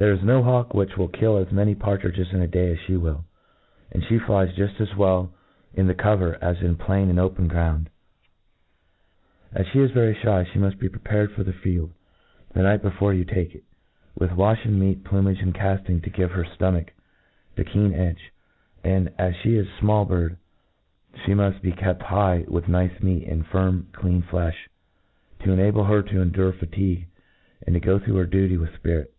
• There is no hawk which will kill as many partridges in a day as flie will j and fhc flies juit as well in the cover as in* plain and open ground. .^ As flie is very fliy, flic muft bt prepared for the field, the rfght before you take it, with vaflien meat, plumage, and calling, to give her ftomach 2s6 A TREATISE OF ftomach a keen edge j and, as flic is a fmall bird, flie muft be kept high with nice meat iiv firm, clean flefh, to enalble her to endure fa^ tigue, and to go through her duty with fpi rit.